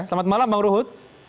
selamat malam bang rujut